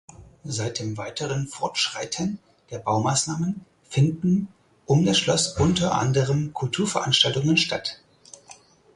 Seit dem weiteren Fortschreiten der Baumaßnahmen finden um das Schloss unter anderem Kulturveranstaltungen statt.